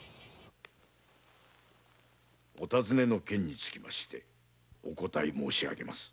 お尋ねの件につきましてお答え申し上げます。